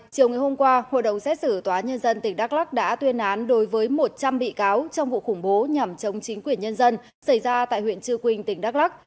chiều ngày hôm qua hội đồng xét xử tòa nhân dân tỉnh đắk lắc đã tuyên án đối với một trăm linh bị cáo trong vụ khủng bố nhằm chống chính quyền nhân dân xảy ra tại huyện trư quynh tỉnh đắk lắc